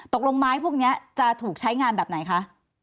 ตกลงไม้พวกนี้จะถูกใช้งานแบบไหนคะ